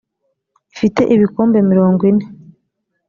ifite ibikombe mirongwine.